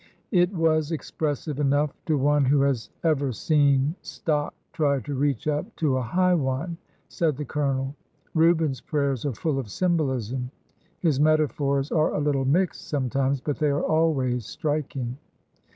It was expressive enough to one who has ever seen stock try to reach up to a high one," said the Colonel. '' Reuben's prayers are full of symbolism. His metaphors are a little mixed sometimes, but they are always striking."